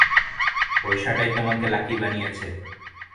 পয়সাটাই তোমাকে লাকি বানিয়েছে।